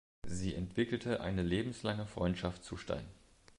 Sie entwickelte eine lebenslange Freundschaft zu Stein.